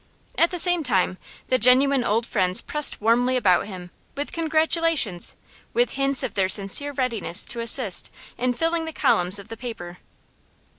At the same time the genuine old friends pressed warmly about him, with congratulations, with hints of their sincere readiness to assist in filling the columns of the paper.